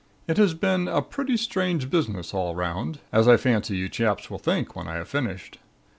It has been a pretty strange business all 'round, as I fancy you chaps will think, when I have finished.